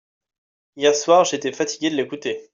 Hier soir j'étais fatigué de l'écouter.